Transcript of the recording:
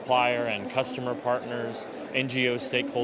penyelenggara dan partner pelanggan